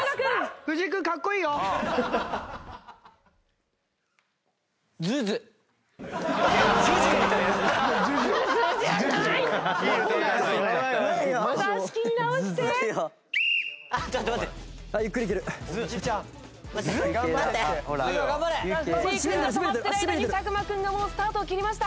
藤井君が止まってる間に作間君がもうスタートを切りました。